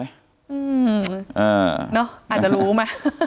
อืมเนอะอาจจะรู้มั้ย